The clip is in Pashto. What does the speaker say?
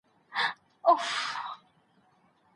موږ شکلونه بيا ګورو.